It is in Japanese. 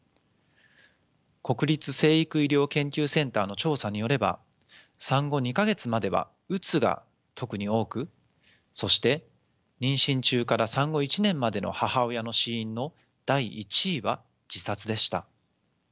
国立成育医療研究センターの調査によれば産後２か月まではうつが特に多くそして妊娠中から産後１年までの母親の死因の第１位は自殺でした。